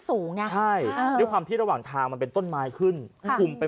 สูงไงใช่ด้วยความที่ระหว่างทางมันเป็นต้นไม้ขึ้นคุมไป